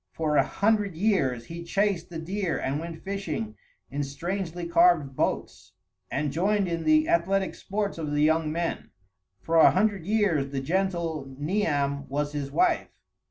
For a hundred years he chased the deer and went fishing in strangely carved boats and joined in the athletic sports of the young men; for a hundred years the gentle Niam was his wife.